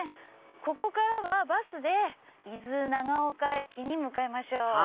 ここからはバスで伊豆長岡駅に向かいましょう。